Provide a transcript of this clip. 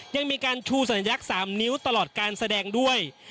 ยังมีการชูสัญลักษณ์๓นิ้วตลอดการแสดงด้วย